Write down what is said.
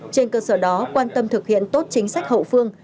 trên cơ sở đó quan tâm thực hiện tốt chính sách hậu phương